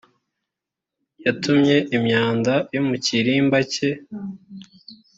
yatumye imyambi yo mu kirimba cye